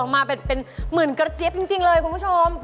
มาแบบเป็นหมื่นกระเจี๊ยบจริงเลยคุณผู้ชม